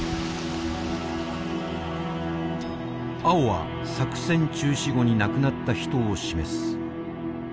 青は作戦中止後に亡くなった人を示す。